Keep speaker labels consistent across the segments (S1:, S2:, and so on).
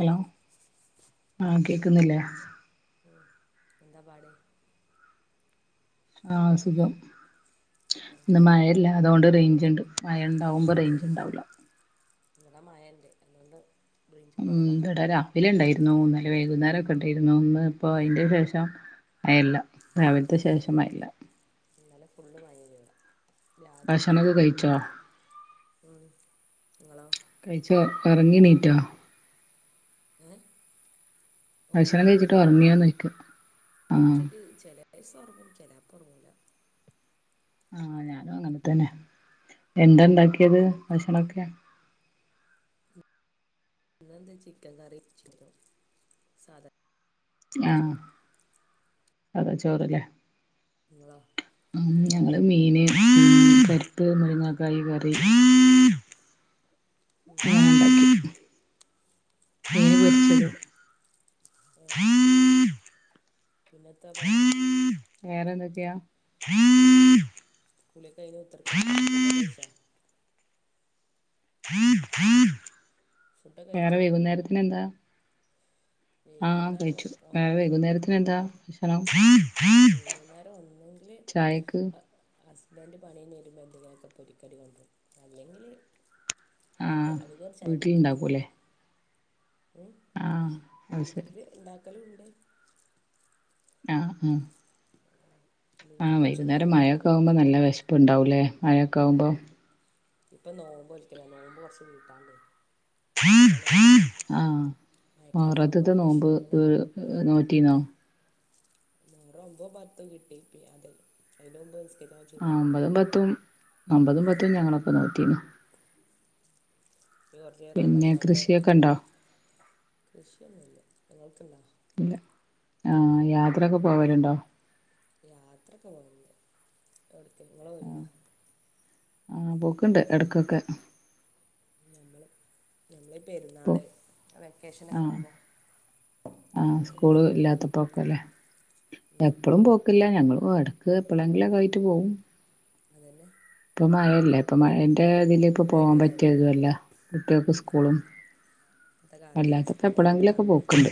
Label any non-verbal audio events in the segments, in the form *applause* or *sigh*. S1: Hello ആഹ കേക്കുന്നില്ലേ
S2: ഉം എന്താ പാട്
S1: ആഹ അ സുഖം ഇന്ന് മായല്ല അതു കൊണ്ട് റേഞ്ച് ഇണ്ട് മയ ഇണ്ടാകുമ്പോ റേഞ്ച് ഉണ്ടാവില്ല
S2: ഇവിടെ മായൻ്റെ അതു കൊണ്ട്
S1: ഉ ഇട രാവിലെ ഇണ്ടായിരുന്നു ഇന്നലെ വൈകുന്നേരം ഒക്കെ ഇണ്ടായിരുന്നു ഇന്ന് ഇപ്പോ അതിന്റെ ശെ ഷം മായല്ല രാവിലത്തെ ശേഷം അല്ല
S2: ഇന്നലെ ഫുള്ള് മയല് ഇവട രാത്രി
S1: ഭക്ഷണൊക്കെ കഴിച്ചോ
S2: ഉം നിങ്ങളോ
S1: കയിച്ച് ഒ കറങ്ങിണീറ്റോ
S2: ഏഹ
S1: ഭക്ഷണം
S2: ഒറങ്ങല്
S1: കഴിച്ചിട്ട് ഉറങ്ങിയോന്ന് ചോദിക്കാ ആഹ്
S2: ഉച്ചക്ക് ചെല ദിവസം ഒറങ്ങും ചെലപ്പ ഒറങ്ങുല്ല
S1: ആഹ ഞാനും അങ്ങനെ തന്നെ എന്താ ഉണ്ടാക്കിയത് ഭക്ഷണം ഒക്കെ
S2: ഇന്ന് എന്താ ചിക്കൻ കറിയും ചിക്കനും സാധ
S1: ആഹ അതാ ചോറല്ലേ
S2: നിങ്ങളോ നിങ്ങളോ
S1: ഞങ്ങള് മീന് പരിപ്പ് മുരുങ്ങാക്കായ കറി
S2: ഉം
S1: അങ്ങനെ ഉണ്ടാക്കി മീന് പൊരിച്ചത്
S2: ഏ പിന്നെത്ത പാട്
S1: വേറെ എന്ത് ഒക്കെയാ
S2: കൂളിയൊക്കഴിഞ്ഞ് കുത്തിർക്കാ ഇപ്പൊ ഫുഡ്‌ ഒക്കെ കഴിച്ച ഫുഡൊക്കെ
S1: വേറെ
S2: കഴിച്ചാ
S1: വൈകുന്നേരത്തിന് എന്താ ആഹ്
S2: വൈകുന്നേരം
S1: കഴിച്ചു
S2: ഉ- ഉ-
S1: വേറെ വൈകുന്നേരത്തിന് എന്താ ഭക്ഷണം?
S2: വൈകുന്നേരം ഒന്നൂങ്കില്
S1: ചായക്ക്
S2: അ ഹസ്ബൻഡ് പണി കഴിഞ്ഞേരുമ്പോ എന്തെങ്കിലും ഒക്കെ പൊരിക്കടി കൊണ്ടുരും അല്ലെങ്കില്
S1: ആഹ്
S2: അധികം ചായ കുടിക്കൽ ഒന്നും
S1: വീട്ടിലുണ്ടാക്കൂല്ലേ
S2: ഇല്ല ഉം
S1: ആഹ് അത് ശരി
S2: വീട്ടില് ഇണ്ടാക്കലും ഉണ്ട്
S1: ആഹ് ഉം
S2: വീട്ടിൽ
S1: ആഹ്
S2: കുറച്ച്
S1: വൈകുന്നേരം മഴയൊക്കെ ആകുമ്പോ
S2: നോമ്പുകളൊക്കെ
S1: നല്ല വിശപ്പ് ഉണ്ടാവൂലേ മഴയൊക്കെ ആകുമ്പോ
S2: ഇപ്പൊ നോമ്പ് നോൽക്കല നോമ്പ് കുറച്ച് വീട്ടാണ്ടേയ്ന് അപ്പൊ അതങ്ങ് വീട്ടും
S1: ആഹ്
S2: മയക്കാലത്താകുമ്പോ പിന്നെ ക്ഷീണാണ്
S1: നോറ്റിനോ
S2: മുഹറം ഒമ്പതും പത്തും കിട്ടി പിന്നെ അത് അതിന്റെ മുമ്പ് നിസ്‌കരിക്കാൻ പറ്റി...
S1: ആഹ് ഒമ്പതും പത്തും ഒമ്പതും പത്തും ഞങ്ങളൊക്കെ നോറ്റിരുന്നു
S2: ഈ
S1: പിന്നെ
S2: റമളാനിലെ
S1: കൃഷിയൊക്കെ ഉണ്ടോ
S2: കൃഷിയൊന്നുല്ല നിങ്ങൾക്കുണ്ടോ
S1: ഇല്ല ആഹ് യാത്രയൊക്കെ പോവലുണ്ടോ
S2: യാത്രൊക്കെ പോവലിണ്ട് എവിടുക്ക നിങ്ങൾ പോവലിണ്ട
S1: ആഹ് പോക്കുണ്ട് ഇടക്കൊക്കെ
S2: ഞമ്മളും
S1: ഇപ്പൊ
S2: ഞങ്ങളിപെരുന്നാള് ആ വെക്കേഷനൊക്കെ
S1: ആഹ്
S2: ആവുമ്പോ അങ്ങനൊക്കെ പോവും
S1: പോക്കല്ലേ എപ്പളും പോക്കില്ല ഞങ്ങളും എടക്ക് എപ്പളെങ്കിലും ആയിട്ട് പോവും
S2: അതന്നെ
S1: ഇപ്പൊ മഴയല്ലേ ഇപ്പൊ മഴന്റെ ഇതീൽപ്പൊ
S2: ഇപ്പോൾ പോയിട്ട്
S1: പോവാൻ
S2: കാര്യമില്ല
S1: പറ്റിയതും അല്ല കുട്ടികൾക്ക് സ്കൂളും
S2: ഇപ്പോഴത്തെ
S1: അല്ലാത്തപ്പോ എപ്പൊളെങ്കിലുമൊക്കെ പോക്കുണ്ട്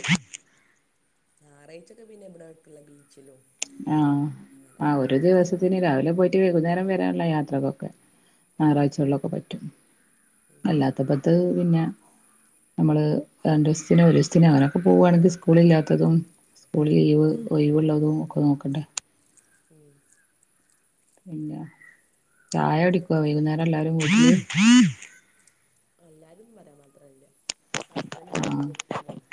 S2: ഞായറാഴ്ചൊക്കെ പിന്നെ ഇവിടെ അടുത്തുള്ള ബീച്ചിലും അങ്ങനൊക്കെ പോവും
S1: ന്നെ രാവിലെ പോയിട്ട് വൈകുന്നേരം വരാനുള്ള യാത്രക്കൊക്കെ ഞായറാഴ്ചകളിലൊക്കെ പറ്റും അല്ലാത്തപ്പത്ത് പിന്നെ നമ്മള് രണ്ടീസത്തിനോ ഒരീസത്തിനോ അങ്ങനെയൊക്കെ പോവുകയാണെങ്കിൽ സ്കൂൾ ഇല്ലാത്തതും സ്കൂളിൽ ലീവ് ഒഴിവ് ഉള്ളതും ഒക്കെ നോക്കണ്ടെ
S2: ഉം
S1: പിന്നെ ചായ കുടിക്കോ വൈകുന്നേരം എല്ലാരും കൂടിട്ട്
S2: എല്ലാരും ന്ന് പറയാൻ മാത്രല്ല ഹുസ്ബൻഡും ഞാനും
S1: ആഹ്
S2: കുട്ടിയാളും ആണ്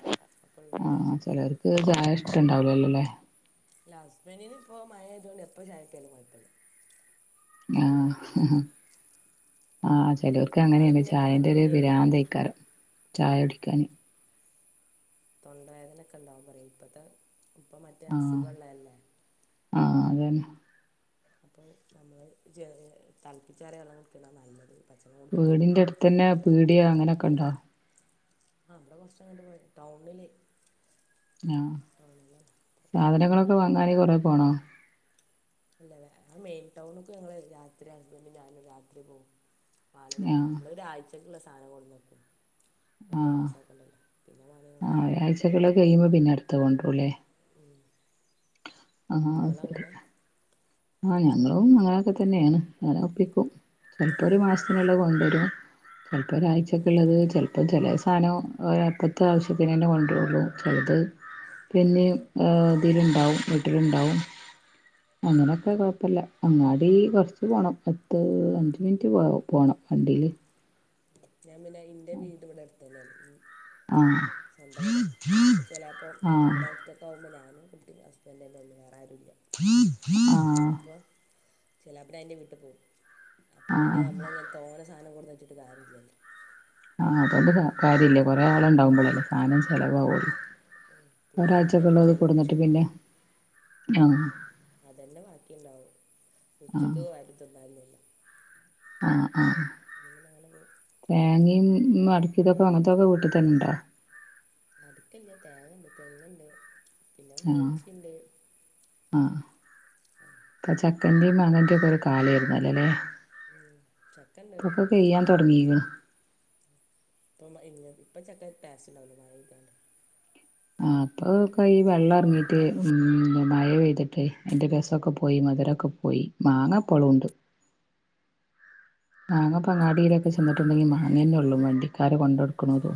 S2: അപ്പൊ ഉള്ളവരെച്ച്
S1: ട്ട്യാക്ക് ചായ ഇഷ്ട്ടണ്ടാവൂലല്ലോല്ലേ
S2: ഇല്ല ഹസ്ബൻഡിന് ഇപ്പോ മഴ ആയതോണ്ട് എപ്പൊ ചായ കിട്ടിയാലും കുഴപ്പമില്ല ചിലവരങ്ങനെ
S1: ആഹ് ആഹ് ചെലോ ർക്ക്
S2: ആള്
S1: അങ്ങനെയാണ്
S2: പിന്നെ പനി
S1: ചായന്റെ ഒരു
S2: കഴിഞ്ഞിരുന്നേയും
S1: പിരാന്തേക്കാരം ചായ കുടിക്കാന്
S2: തൊണ്ടവേദനൊക്കെ ഉണ്ടവുമ്പോ പറയും ഇപ്പഴത്തെ ഇപ്പം മറ്റേ അസുഖഉള്ളല്ലേ
S1: ആഹ് ആഹ് അതന്നെ
S2: അപ്പോ നമ്മള് ചെ തൾപ്പിച്ചാറിയ വെള്ളം കുടിക്കണതാ നല്ലത് പച്ചവെള്ളം
S1: വീടിന്റെ
S2: കുടിക്കണേക്കാട്ടിലും
S1: അടുത്ത് തന്നെ പീടിയ അങ്ങനൊക്കെ ഉണ്ടോ?
S2: ആഹ് ഇവിടെ കൊറച്ചങ്ങട്ട് പോയാൽ ടൗണില്
S1: ആഹ് സാധനങ്ങളൊക്കെ വാങ്ങാന് കൊറെ പോണോ
S2: ഇല്ല ല്ല ആ മെയിൻ ടൗൺക്ക് ഞങ്ങൾ രാത്രി ഹസ്ബൻഡും ഞാനും രാത്രി പോവും വാണങ്കിലൊക്കെ
S1: ആഹ്
S2: നമ്മൾ ഒരാഴ്ചക്കുള്ള സാധനം കൊട്ന്നക്കും വെറുതെ
S1: ആഹ്
S2: നാസാക്കണ്ടല്ലോ പിന്നെ വാണെങ്കിൽ കൊണ്ട്ര
S1: പിന്നെള്ളത് കയ്യുമ്പോ പിന്നെ അടുത്തത് കൊണ്ടരും ല്ലേ
S2: ഉം
S1: ആഹ് ആഹ് അത് ശരിയാണ് ഞങ്ങളും അങ്ങനൊക്കെ തന്നെയാണ് അങ്ങനെ ഒപ്പിക്കും ചിലപ്പോ ഒരു
S2: ആ-
S1: മാസത്തിനുള്ളത് കൊണ്ടുവരും ചിലപ്പോ ഒരാഴ്ചക്ക് ഉള്ളത് ചിലപ്പോൾ ചില സാധനം അപ്പത്തെ ആവശ്യത്തിന് തന്നെ കൊണ്ടരോള്ളു ചിലത് പിന്നിം ഇതിലുണ്ടാവും വീട്ടിലുണ്ടാവും അങ്ങനെയൊക്കെ കുഴപ്പമില്ല അങ്ങാടി കുറച്ച് പോകണം പത്ത് അഞ്ച് മിനിറ്റ് പോ പോണം വണ്ടീല്
S2: ഞാൻ പിന്നെ ഇന്റെ വീട് ഇവിടെ അടുത്ത് തന്നെയാണ്
S1: ആഹ്
S2: സ്വന്തം വീട് എന്റെ ചിലാപ്പോ
S1: ആഹ്
S2: ഇവിട ഒറ്റയ്ക്ക് ആവുമ്പോൾ ഞാനും കുട്ടിയും ഹസ്ബന്റും തന്നെ ഒള്ളു വേറെ ആരുല്ല
S1: ആഹ്
S2: അപ്പൊ ചെലാപ്പോ ഞാൻ എന്റെ വീട്ട് പോകും അപ്പോൾ പിന്നെ
S1: ആഹ്
S2: നമ്മളിങ്ങനെ തോനെ സാധനം കൊടുന്ന് വെച്ചിട്ട് കാര്യല്ലല്ലോ
S1: ആഹ് അതൊണ്ട് കാര്യല്ല കൊറെ ആൾ ഉണ്ടാവുമ്പോഴല്ലേ സാധനം ചെലവാവുള്ളൂ
S2: പിന്നെ
S1: ഒരാഴ്ചക്കെ
S2: ഹസ്ബൻഡും
S1: ഉള്ളത്
S2: ഇല്ലല്ലോ
S1: കൊടുന്നിട്ട്
S2: ഉച്ചയ്ക്ക്
S1: പിന്നെ ആഹ്
S2: അതന്നെ ബാക്കിയണ്ടാവും ഉച്ചക്ക്
S1: ആഹ്
S2: ആരും തിന്നാനില്ല
S1: ആഹ് ആഹ്
S2: അങ്ങനെ പോകും
S1: തേങ്ങയും മടക്കിതൊക്കെ അങ്ങനത്തൊക്കെ വീട്ടിൽ തന്നെ ഉണ്ടാ
S2: അതുക്കല്ല തേങ്ങുണ്ട് തെങ്ങുണ്ട് പിന്നെ
S1: ആഹ്
S2: മൂച്ചിണ്ട്
S1: ആഹ്
S2: *inaudible*
S1: ഇപ്പൊ ചക്കന്റെയും മാങ്ങന്റെയും കുറെ കാലായിരുന്നല്ലല്ലേ
S2: ഉം. ചക്ക ഉണ്ട്
S1: ഇപ്പൊപ്പൊ പെയ്യാൻ തുടങ്ങില്ലോ
S2: *unintelligible* ഇപ്പൊ ചക്ക ടേസ്റ്റ് ഉണ്ടാവില്ല മഴ ഇള്ളൊണ്ട്
S1: ആഹ് അപ്പൊ ക്ക ഈ വെള്ളം ഇറങ്ങീട്ട് ഉം മഴെപെയ്തിട്ടെ അതിന്റെ രസൊക്കെ പോയി മധുരൊക്കെ പോയി മാങ്ങപ്പളുണ്ട് മാങ്ങപ്പൊങ്ങാടിയിലൊക്കെ ചെന്നിട്ടുണ്ടെങ്കിൽ മാങ്ങന്നെ ഉള്ളൂ വണ്ടിക്കാര് കൊണ്ട്നടക്കണുണ്ട്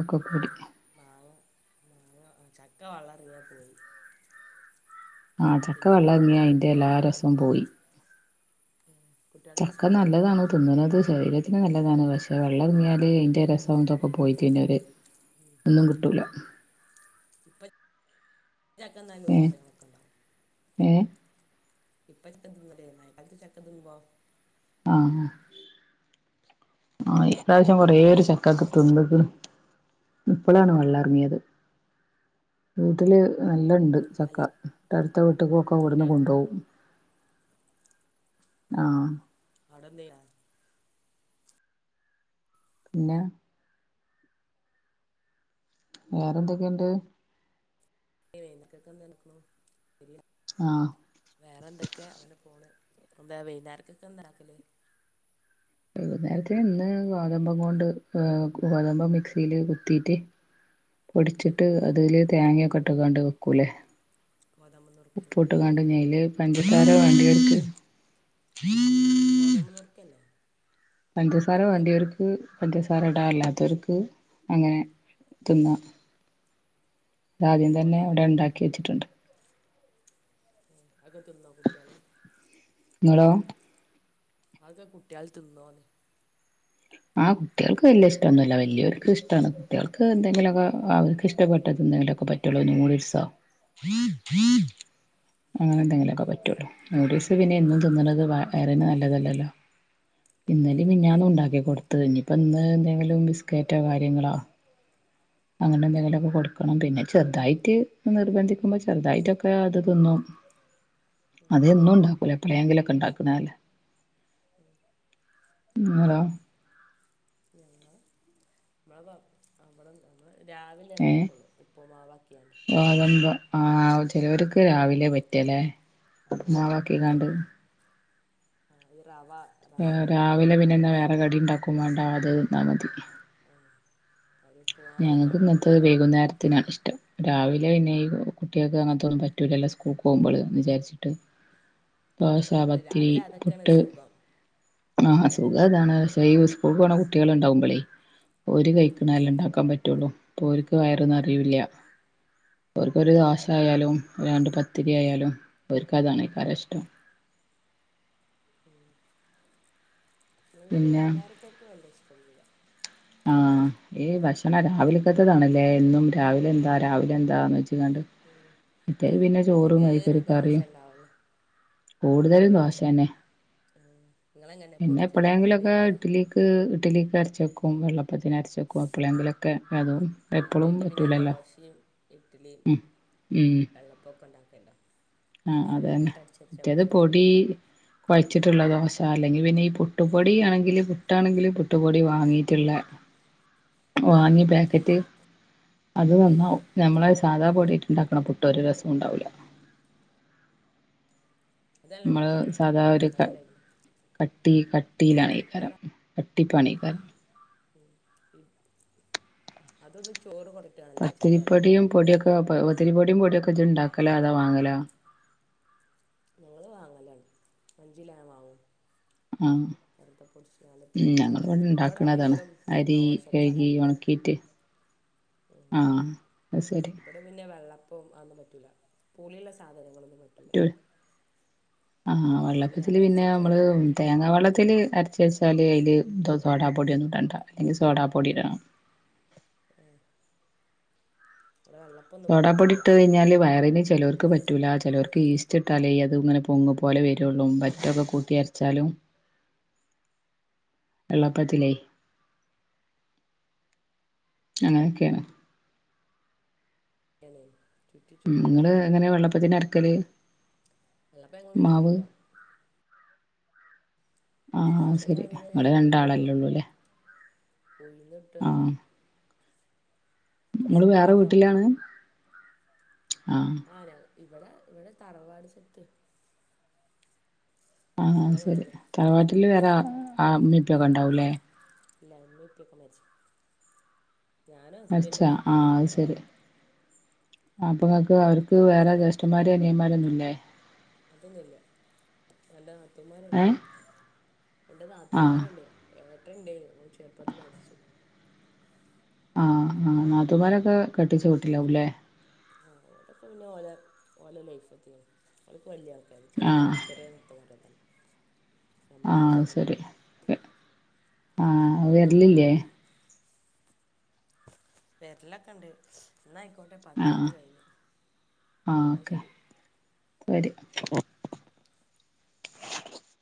S1: ഒക്കെകൂടി
S2: മാങ്ങ മാങ്ങ ചക്ക വളളറങ്ങിയാ പോയി.
S1: ആഹ് ചക്ക
S2: പിന്നെ
S1: വള്ളം എറങ്ങിയാ
S2: ആരൊക്കെ
S1: അയിന്റെ എല്ലാ
S2: കുട്ടികൾ
S1: രസവും പോയി
S2: ആഹ്
S1: ചക്ക നല്ലതാണ് തിന്നുന്നത് ശരീരത്തിന് നല്ലതാണ് പക്ഷെ വെള്ളം എറങ്ങിയാല് അതിന്റെ രസോ ഇതൊക്കെ പോയിട്ട് പിന്നൊരു
S2: ഉം ഇപ്പ *unintelligible* ഉണ്ടാവും
S1: ഏ ഏ
S2: ഇപ്പൊ *unintelligible* മയക്കാലത്ത് ചക്ക തിന്നുമ്പോ
S1: ആഹ് ആഹ് ഇപ്രാവശ്യം കൊറെ ഒരു ചക്കക്ക തിന്ന്ക്ക്ണ് ഇപ്പളാണ് വെള്ളംറങ്ങിയത് വീട്ടില് നല്ലണ്ട്
S2: പല
S1: ചക്ക അടുത്ത വീട്ടിക്കൊക്കെ ഇവിടുന്ന്
S2: കുട്ടികളെ
S1: കൊണ്ടു പോകും ആഹ്
S2: അടന്നയ
S1: പിന്ന വേറെന്തൊക്കെയുണ്ട്
S2: *unintelligible*
S1: ആഹ്
S2: വേറെ എന്തൊക്കെയാ അങ്ങനെ പോണ് എന്താ വൈകന്നേരക്കൊക്കെ എന്താക്കല്
S1: വൈകുന്നേരത്തെ ഇന്ന് ഗോതമ്പം കൊണ്ട് ഗോതമ്പം മിക്സില് കുത്തിട്ട്
S2: *inaudible*
S1: പൊടിച്ചിട്ട് അതില് തേങ്ങൊക്കെ ഇട്ട്കാണ്ട് വെക്കൂലേ
S2: ഗോതമ്പ് നുറുക്ക്
S1: ഉപ്പിട്ട്
S2: അങ്ങനെ
S1: കണ്ടഞ്ഞല് പഞ്ചസാര വേണ്ടിയ എടുക്ക്
S2: ഗോതമ്പ് നുറുക്കല്ലേ
S1: പഞ്ചസാര
S2: ആ
S1: വേണ്ടിയവർക്ക് പഞ്ചസാര ഇടാ അല്ലാത്തവർക്ക് അങ്ങനെ തിന്ന
S2: *inaudible*
S1: അതാദ്യം തന്നെ അവിടെ ഉണ്ടാക്കി വെച്ചിട്ടുണ്ട്
S2: ആഹ് അത് തിന്നോ കുട്ടികള്
S1: ങ്ങളോ
S2: അതക്കെ കുട്ട്യാൾ തിന്നോന്ന്
S1: ആഹ് കുട്ടികൾക്ക് വല്യ ഇഷ്ടൊന്നുവില്ല വല്യവർക്ക് ഇഷ്ടവാണ് കുട്ടികൾക്ക് എന്തെങ്കിലുമൊക്കെ അവർക്ക് ഇഷ്ടപ്പെട്ടത്, എന്തെങ്കിലൊ പറ്റുവൊള്ളു നൂഡിൽസോ അങ്ങനെ എന്തെങ്കിലുമൊക്കെ പറ്റുള്ളൂ നൂഡിൽസ് പിന്നെ എന്നും തിന്നതണ് വയറീന് നല്ലതല്ലല്ലോ? ഇന്നലെയും
S2: എപ്പോഴെങ്കിലൊക്കെ
S1: മിനഞ്ഞാന്നും ഉണ്ടാക്കി കൊടുത്തതാ ഇനിയിപ്പോ ഇന്ന് എന്തെങ്കിലും ബിസ്ക്കറ്റോ കാര്യങ്ങളോ അങ്ങനെ എന്തെങ്കിലുവൊക്കെ കൊടുക്കണം പിന്നെ ചെറുതായിട്ട് നിർബന്ധിക്കുമ്പോൾ ചെറുതായിട്ടൊക്കെ അത് തിന്നും. അത് എന്നും ഉണ്ടാക്കൂല എപ്പോഴെങ്കിലൊക്കെ ഉണ്ടാക്കണല്ലേ *unintelligible*
S2: ഞങ്ങള് നമ്മള് അവിടെ നമ്മള് രാവിലെ ഉണ്ടാക്കുള്ളൂ ഉപ്പുമാവാക്കിയാണ്
S1: ആഹ് ചെലരോക്ക് രാവിലെ പറ്റിവേല്ലേ ഉപ്പുമാവാക്കി കൊണ്ട്
S2: അത് റവാ
S1: രാവിലെ പിന്നെന്താ വേറെ കടി ഉണ്ടാക്കുംവാണ്ട് അത് തിന്നാൽ മതി
S2: അം അവര്
S1: ഞങ്ങൾക്ക് ഇന്നത്ത വൈകുന്നേരത്തിനാ ഇഷ്ടം രാവിലെ പിന്നെ ഈ കുട്ടികൾക്ക് അങ്ങനത്തൊന്നും പറ്റൂല്ലല്ലോ സ്കൂൾക്ക് പോകുമ്പോൾ എന്ന് വിചാരിച്ചിട്ട്
S2: *inaudible*
S1: ദോശ
S2: അല്ല
S1: പത്തിരി
S2: രാവിലെ അതൊക്കെയാണ്
S1: പുട്ട്
S2: സുഖം
S1: ആഹ് സുഖം അതാണ് പക്ഷേ ഈ സ്കൂള് പോണ കുട്ടികള് ഉണ്ടാവുമ്പോളേ ഒരു കൈ നല്ല ഉണ്ടാക്കാൻ പറ്റുള്ളൂ ഓല്ക്ക് വയറ് നിറയൂല്ലാ ഓരുക്കൊരു ദോശ ആയാലും രണ്ട് പത്തിരിയാലും ഓര്ക്ക് അതാണ്ഏറെ ഇഷ്ടം
S2: ഉം
S1: പിന്നെ
S2: വൈകുന്നേരത്തക്ക് വല്ല്യ ഇഷ്ടൊന്നൂല്ല
S1: ആഹ് ഈ ഭക്ഷണം രാവിലക്കത്തെതാണല്ലേ എന്നും രാവിലെ എന്താ രാവിലെ എന്താന്ന് വെച്ച് കാണ്ട്
S2: ഉം.
S1: മറ്റേത് പിന്നെ ചോറും
S2: അധികേറെ
S1: കൈക്കരു
S2: ദോശ
S1: കറിയും
S2: ഉണ്ടാവുള്ളു
S1: കൂടുതലും ദോശ തന്നെ
S2: ആഹ് നിങ്ങളെങ്ങനെ പൊടിച്ചു പൊടിയായിട്ടാ
S1: ഉം ഇഡ്ഡലിക്ക്അരച്ച് വെക്കും വെള്ളേപ്പത്തിന് അരച്ച് വെക്കും എപ്പളേങ്കിലൊക്കെ അതും
S2: അത്
S1: എപ്പളും
S2: കയിഞ്ഞിട്ട് പിന്നെ
S1: പറ്റൂലല്ലോ
S2: ദോശയും ഇഡ്ഡലിയും
S1: ഉം
S2: വെള്ളേപ്പൊക്കെ ഉണ്ടാക്കല്ലോ
S1: ആഹ്
S2: എന്നാ
S1: അത്
S2: ഒരു
S1: തന്നെ
S2: വട്ടം അടിച്ചടിച്ചാ
S1: മറ്റേത്
S2: പോരെ
S1: പൊടി കുയച്ചിട്ടുള്ള ദോശ അല്ലെങ്കിൽ പിന്നെ ഈ പുട്ടുപൊടി ആണെങ്കിൽ പുട്ടാണെങ്കിലും പുട്ടുപൊടി വാങ്ങിട്ട് ഇല്ലേ വാങ്ങിയ പാശ്ക്കറ്റ് അത് തന്നു നമ്മളെ സാധാ
S2: ആ
S1: പൊടിയിട്ടുണ്ടാക്കണ പുട്ട് ഒരു രസോം ഉണ്ടാവില്ല.
S2: അതല്ല
S1: നമ്മള്
S2: ടേസ്റ്റ് ഉണ്ടാവും
S1: സാധാ ഒരു ക
S2: അയണ്ടായിരുന്നു
S1: കട്ടി കട്ടിയിലാണ് ഈ കരം
S2: ഇവിടെ
S1: കട്ടി പണി
S2: ഉം അതൊന്ന് ചോറ് കൊടു
S1: പത്തിരിപ്പൊടിയും പൊടിയൊക്കെ പത്തിരി പൊടിയും പൊടിയൊക്കെ ഇജ് ഉണ്ടാക്കലാ അതോ വാങ്ങലാ
S2: ഞങ്ങള് വാങ്ങലാണ് അഞ്ച് കിലോ ഞാൻ വാങ്ങും
S1: ആഹ്
S2: വെറുതെ പൊടിച്ച് നല്ല
S1: ഉം
S2: തിന്നും
S1: ഞങ്ങളിവിടെ
S2: ഇവിടെ
S1: ഉണ്ടാക്കണതാണ്
S2: അധികം
S1: അരി
S2: ദോശക്കാണ്
S1: കഴുകി ഉണക്കീട്ട്
S2: ഉം.
S1: ആഹ് അത് ശരി
S2: ഇവിടെ പിന്നെ വെള്ളപ്പം അതൊന്നും പറ്റൂല്ല പുളിയുള്ള സാധനങ്ങളൊന്നും പറ്റൂല.
S1: ആഹ്
S2: അല്ലെങ്കിൽ
S1: വെള്ളേപ്പത്തില് പിന്നെ
S2: അതരിച്ചാൽ
S1: നമ്മള്
S2: മതി രണ്ട്
S1: തേങ്ങ വെള്ളത്തില് അരച്ച് വെച്ചാല് അതില് സോഡാ പൊടിയൊന്നും വേണ്ട അല്ലെങ്കിൽ സോഡാ പൊടി ഇടണം.
S2: ഉം *unintelligible*
S1: സോഡാപ്പൊടി
S2: പോക്കില്ല
S1: ഇട്ട് കഴിഞ്ഞാല് വയറിന് ചിലർ പറ്റൂല ചിലർക്ക് ഈസ്റ്റ് ഇട്ടാലേ അത് ഇങ്ങനെ പൊങ്ങു പോലെ വരുള്ളൂ പറ്റൊക്കെ കൂട്ടി അരച്ചാലും വെള്ളപ്പത്തിലേ.. അങ്ങനെയൊക്കെയാണ്.
S2: എണ്ണേൻ ചുറ്റി
S1: ഉം
S2: ചുറ്റി
S1: നിങ്ങള്
S2: വരണ്ടേ
S1: എങ്ങനെ വെള്ളപ്പത്തിന് അരക്കല്
S2: വെള്ളേപ്പ ങ്ങ
S1: മാവ്
S2: ഉണ്ടാക്കണില്ല
S1: ആഹ്
S2: ദോശേന്റെ
S1: ശരി
S2: അതിന്
S1: നിങ്ങള്
S2: ഉയിന്നിടും
S1: രണ്ടാളല്ലേ ഉള്ളൂല്ലേ
S2: ഉയിന്നിട്ടാണേ
S1: ആഹ് നിങ്ങള്
S2: കൊറച്ച്
S1: വേറെ
S2: പുളിയുണ്ടാവും
S1: വീട്ടിലാണ് ആഹ്
S2: ആരാ ഇവിടെ ഇവിടെ തറവാട് സ്വത്ത്
S1: ആഹ്
S2: നല്ല വരെ
S1: ശരി
S2: തന്നെ
S1: തറവാറ്റില് വേറെ അമ്മീപ്പൊക്കെ ഉണ്ടാവൂല്ലേ?
S2: ഇല്ല. ഇമ്മി ഇപ്പി ക്കെ മരിച്ചു ഞാനും
S1: മരിച്ച
S2: ഹസ്ബന്റും കുട്ടി മാത്രം.
S1: ആപ്പങ്ങക്ക് അവർക്ക് വേറെ ജേഷ്ഠന്മാര അനിയന്മാരൊന്നുംല്ലേ?
S2: അതൊന്നുല്ല രണ്ട് നാത്തുമാരുണ്ട്
S1: ഏഹ്
S2: രണ്ട്
S1: ആഹ്
S2: നാത്തൂമാരുണ്ട്. ഏട്ട ണ്ടെനീ ഓന് ചെറുപ്പത്ത് മരിച്ചു.
S1: ആഹ് ആ നാത്തുമാരൊക്കെ കെട്ടിച്ചു വീട്ടിലാവൂല്ലേ?
S2: ആഹ് ഓ.. അതൊക്കെ പിന്നെ ഓല ഓല ലൈഫത്തെ... ഓലൊക്കെ വലിയ ആൾക്കാര്
S1: ആഹ്
S2: ചെറുതായി ചെറി നാത്തൂമാരൊന്നല്ല.
S1: ആഹ് ശരി ആ വെരലില്ലേ?
S2: വേരലൊക്കെണ്ട് ന്നയ്‌ക്കോട്ടെ
S1: ആഹ്
S2: പത്തിൻറ്റ് കഴിഞ്ഞു. ആ ശരി.
S1: പടി